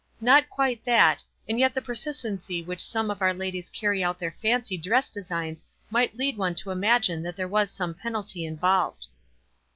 "Xot quite that ; and yet the persistency with which some of our ladies carry out their fancy dress designs might lead one to imagine that there was some penalty involved."